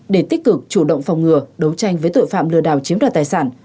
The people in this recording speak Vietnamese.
để tích cực chủ động phòng ngừa đấu tranh với tội phạm lừa đảo chiếm đoạt tài sản